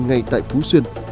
ngay tại phú xuyên